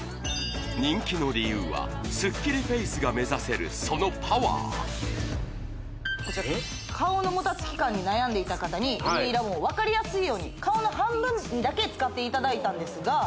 人気の理由はスッキリフェースが目指せるそのパワー顔のもたつき感に悩んでいた方にＭＥラボンを分かりやすいように顔の半分だけ使っていただいたんですがえっ！？